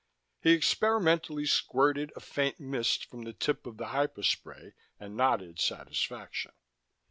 He experimentally squirted a faint mist from the tip of the hypospray and nodded satisfaction.